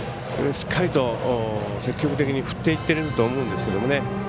しっかりと積極的に振っていってると思うんですけどもね。